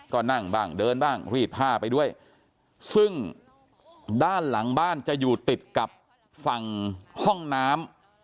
ก็นั่งบ้างเดินบ้างรีดผ้าไปด้วยซึ่งด้านหลังบ้านจะอยู่ติดกับฝั่งห้องน้ำ